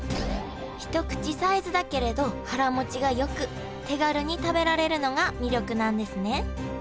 一口サイズだけれど腹もちがよく手軽に食べられるのが魅力なんですね